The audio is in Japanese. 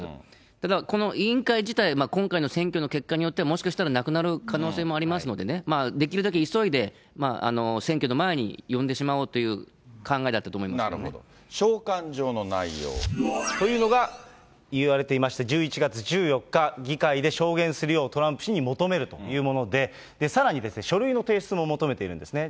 ただこの委員会自体、今回の選挙の結果によっては、もしかしたらなくなる可能性もありますのでね、できるだけ急いで、選挙の前に呼んでしまおうという考えだったと思いますけどね。というのがいわれていまして、１１月１４日、議会で証言するようトランプ氏の求めるというもので、さらに、書類の提出も求めているんですね。